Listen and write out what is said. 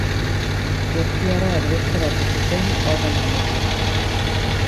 Turkiara erbesteratu zuten horren ondorioz.